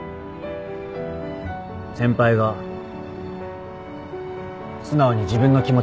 先輩が素直に自分の気持ち言うまで。